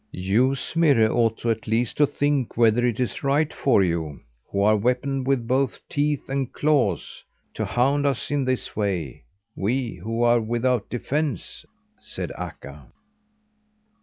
"You, Smirre, ought at least to think whether it is right for you, who are weaponed with both teeth and claws, to hound us in this way; we, who are without defence," said Akka.